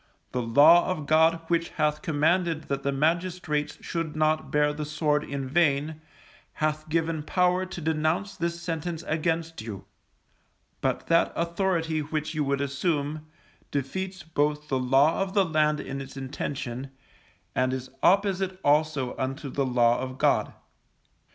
The Law of God which hath commanded that the magistrates should not bear the sword in vain, hath given power to denounce this sentence against you; but that authority which you would assume, defeats both the law of the land in its intention, and is opposite also unto the Law of God.